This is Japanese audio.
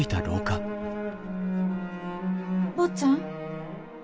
坊ちゃん。